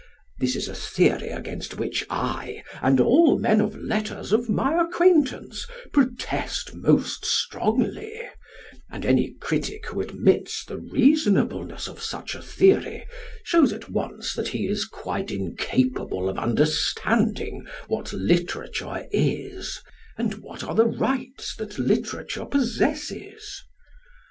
This is a theory against which I, and all men of letters of my acquaintance, protest most strongly; and any critic who admits the reasonableness of such a theory shows at once that he is quite incapable of understanding what literature is, and what are the rights that literature possesses.